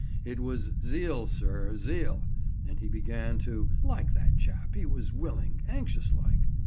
"It was zeal, sir, zeal," and he began to "like that chap—he was willing, anxious like."